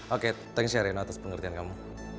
oke thanks ya reno atas pengertian kamu